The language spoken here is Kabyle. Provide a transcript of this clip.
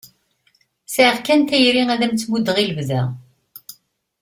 Sɛiɣ kan tayri ad am-tt-muddeɣ i lebda.